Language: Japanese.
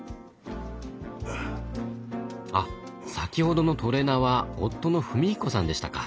あ先ほどのトレーナーは夫の史彦さんでしたか。